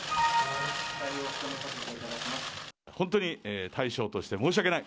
本当に大将として申し訳ない。